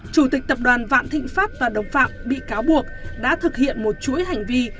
chủ tịch tập đoàn vạn thịnh pháp và đồng phạm bị cáo buộc đã thực hiện một chuỗi hành vi